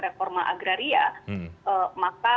reforma agraria maka